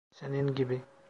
Senin gibi.